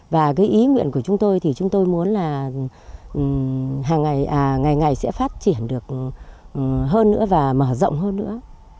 và cái ý nguyện của chúng tôi thì chúng tôi muốn là hàng ngày ngày sẽ phát triển được hơn nữa và mở rộng hơn nữa